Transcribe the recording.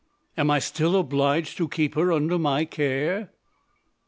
"And I am still obliged to keep her under my care?"